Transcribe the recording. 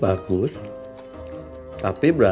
kan riot sisipress temennya bikinnya gebruik